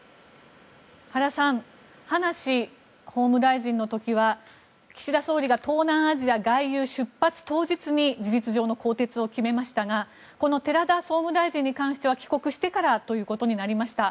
原さん葉梨法務大臣の時は岸田総理が東南アジア外遊出発当日に事実上の更迭を決めましたがこの寺田総務大臣に関しては帰国してからということになりました。